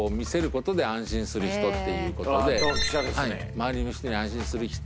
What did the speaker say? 周りの人に安心する。